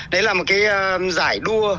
đấy là một giải đua